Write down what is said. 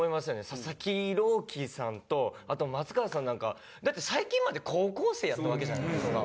佐々木朗希さんとあと松川さんなんかだって最近まで高校生やったわけじゃないですか。